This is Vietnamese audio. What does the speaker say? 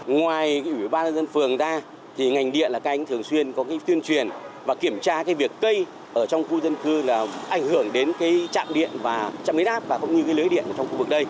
ngoài ủy ban dân phường ra ngành điện là cánh thường xuyên có tuyên truyền và kiểm tra việc cây ở trong khu dân cư ảnh hưởng đến chạm điện chạm biến áp và lưới điện trong khu vực đây